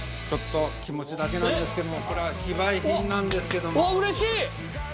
ちょっと気持ちだけなんですけどもこれは非売品なんですけどもあっ嬉しい！